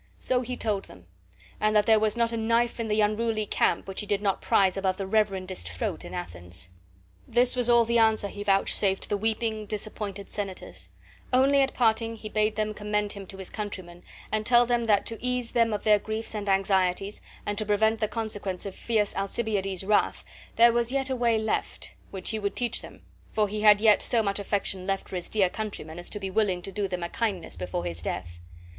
So he told them; and that there was not a knife in the unruly camp which he did not prize above the reverendest throat in Athens. This was all the answer he vouchsafed to the weeping, disappointed senators; only at parting he bade them commend him to his countrymen, and tell them that to ease them of their griefs and anxieties, and to prevent the consequences of fierce Alcibiades's wrath, there was yet a way left, which he would teach them, for he had yet so much affection left for his dear countrymen as to be willing to do them a kindness before his death.